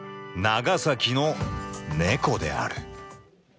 長崎の猫である。